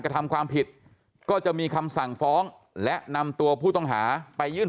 กระทำความผิดก็จะมีคำสั่งฟ้องและนำตัวผู้ต้องหาไปยื่น